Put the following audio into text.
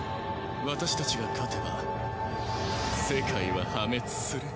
私たちが勝てば世界は破滅する。